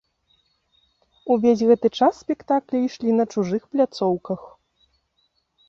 Увесь гэты час спектаклі ішлі на чужых пляцоўках.